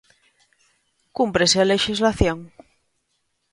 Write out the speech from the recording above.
Cúmprese a lexislación?